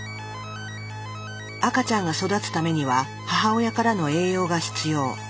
赤ちゃんが育つためには母親からの栄養が必要。